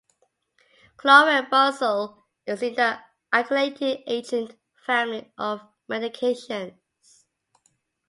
Chlorambucil is in the alkylating agent family of medications.